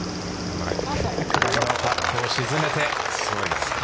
下りのパットを沈めて。